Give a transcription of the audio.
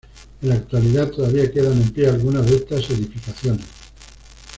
En la actualidad, todavía quedan en pie algunas de estas edificaciones.